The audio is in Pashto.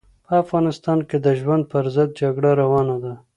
په افغانستان کې د ژوند پر ضد جګړه روانه ده.